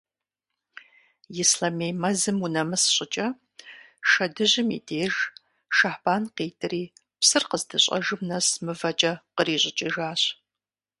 Ислъэмей мэзым унэмыс щӀыкӀэ, Шэдыжьым и деж, Шэхьбан къитӀри, псыр къыздыщӀэжым нэс мывэкӀэ кърищӀыкӀыжащ.